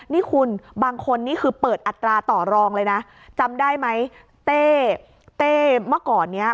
นี่คุณบางคนนี่คือเปิดอัตราต่อรองเลยนะจำได้ไหมเต้เต้เมื่อก่อนเนี้ย